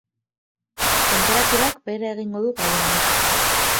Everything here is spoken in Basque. Tenperaturak behera egingo du gauean.